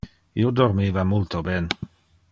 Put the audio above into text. Io dormiva multo ben.